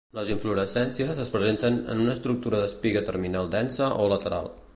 Les inflorescències es presenten en una estructura d'espiga terminal densa o lateral.